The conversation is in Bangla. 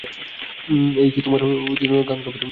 এই কি তোমার গান গাবার সময় হল?